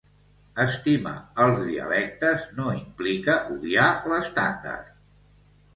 Estimar els dialectes no implica odiar l'estàndard.